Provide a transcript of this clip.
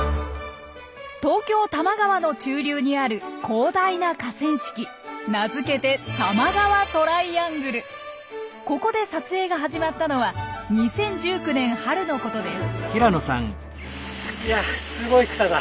東京多摩川の中流にある広大な河川敷名付けてここで撮影が始まったのは２０１９年春のことです。